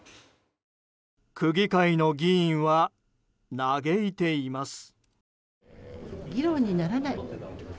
区議会の議員は嘆いています。